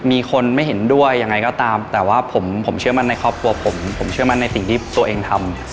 มีคนไม่เห็นด้วยยังไงก็ตามแต่ว่าผมเชื่อมั่นในครอบครัวผมผมเชื่อมั่นในสิ่งที่ตัวเองทำ